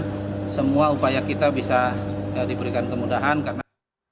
semoga semua upaya kita bisa diberikan kemudahan karena